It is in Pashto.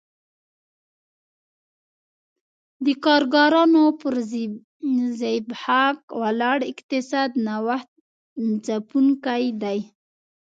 د کارګرانو پر زبېښاک ولاړ اقتصاد نوښت ځپونکی دی